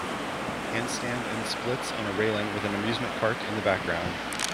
Handstand and splits on a railing with an amusement park in the background.